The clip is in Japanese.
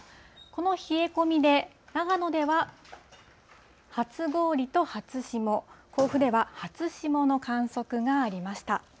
この冷え込みで長野では初氷と初霜、甲府では初霜の観測がありました。